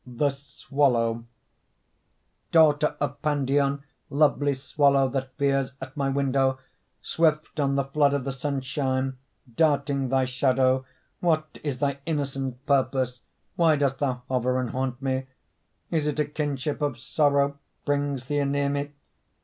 THE SWALLOW Daughter of Pandion, lovely Swallow that veers at my window, Swift on the flood of the sunshine Darting thy shadow; What is thy innocent purpose, Why dost thou hover and haunt me? Is it a kinship of sorrow Brings thee anear me?